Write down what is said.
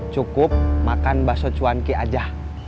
cukup makan bakso cuanki aja